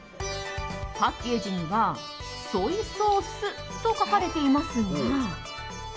パッケージにはソイソースと書かれていますが。